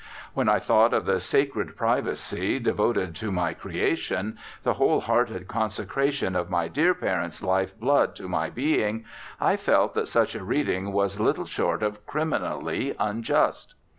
When I thought of the sacred privacy devoted to my creation, the whole hearted consecration of my dear parent's life blood to my being, I felt that such a reading was little short of criminally unjust.